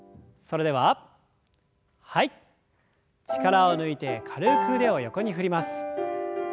力を抜いて軽く腕を横に振ります。